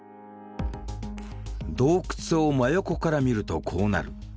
洞窟を真横から見るとこうなる。